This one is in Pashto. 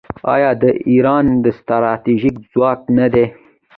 آیا دا د ایران ستراتیژیک ځواک نه دی؟